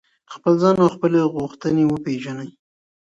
خپل ځان او خپلي غوښتنې وپیژنئ.